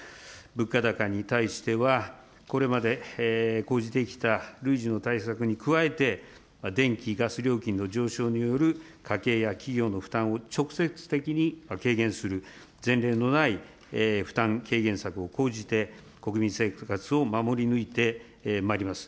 物価高に対しては、これまで講じてきた累次の対策に加えて、電気・ガス料金の上昇による家計や企業の負担を直接的に軽減する、前例のない負担軽減策を講じて、国民生活を守り抜いてまいります。